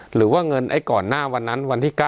หรือว่าเงินไอ้ก่อนหน้าวันนั้นวันที่๙